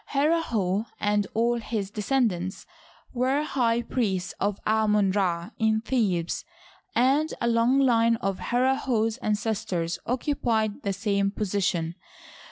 Herihor and all his descendants were high priests of Amon Ra in Thebes, and a long line of Herlhor's ancestors occupied the same position.